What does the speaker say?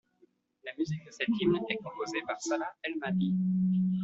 La musique de cet hymne est composée par Salah El Mahdi.